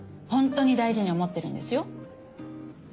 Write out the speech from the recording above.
本当に大事に思ってるんですよ。